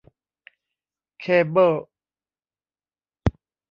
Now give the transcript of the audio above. เคเบิล